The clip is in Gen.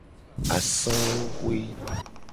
Asanguxue.